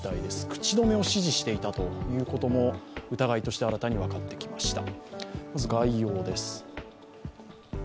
口止めを指示していたということも疑いとして新たに分かってきました。